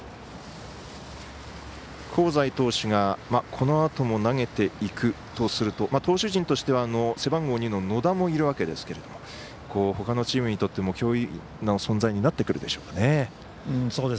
香西投手が、このあとも投げていくとすると投手陣としては背番号２の野田もいるわけですがほかのチームにとっても脅威な存在になってくるでしょうか。